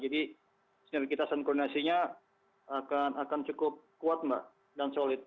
jadi sekitar kita senkoordinasinya akan cukup kuat mbak dan solid